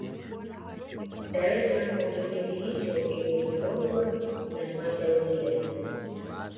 dar es salaam kwa kipindi hicho iliongozwa na halmashauri ya jiji